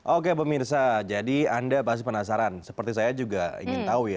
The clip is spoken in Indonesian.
oke pemirsa jadi anda pasti penasaran seperti saya juga ingin tahu ya